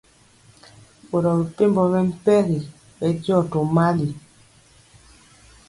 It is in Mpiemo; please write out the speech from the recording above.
Boro mepempɔ mɛmpegi bɛndiɔ tomali.